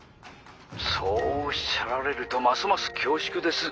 ☎そうおっしゃられるとますます恐縮です。